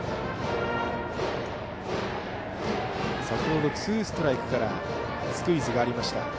先ほどツーストライクからスクイズがありました。